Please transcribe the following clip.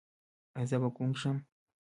ایا زه به ګونګ شم؟